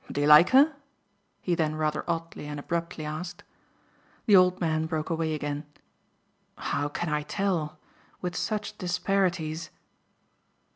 Do you like her?" he then rather oddly and abruptly asked. The old man broke away again. "How can I tell with such disparities?"